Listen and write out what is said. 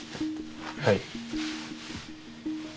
はい。